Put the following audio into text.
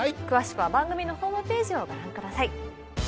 詳しくは番組のホームページをご覧ください